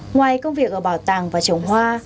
ngoài công việc ở bảo tàng và trồng hoa